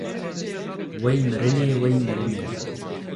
Wey mirinê, wey mirinê